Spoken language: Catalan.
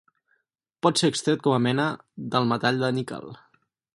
Pot ser extret com a mena del metall de níquel.